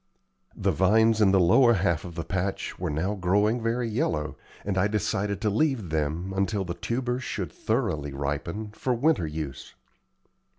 The vines in the lower half of the patch were now growing very yellow, and I decided to leave them, until the tubers should thoroughly ripen, for winter use.